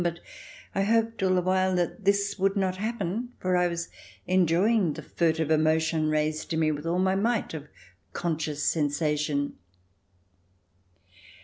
But I hoped all the while that this would not happen, for I was enjoying the furtive emotion raised in me with all my might of conscious sensation.